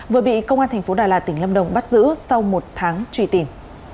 vừa bị công an thành phố đà lạt tỉnh lâm đồng bắt giữ sau một tháng truy tìm